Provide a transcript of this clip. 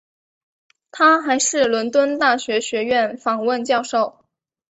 他还是伦敦大学学院访问教授。